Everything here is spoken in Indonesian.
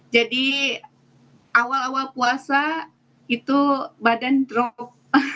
jadi awal awal puasa itu badan drop